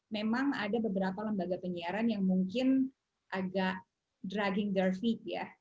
memang ada beberapa lembaga penyiaran yang mungkin agak dragging their feet ya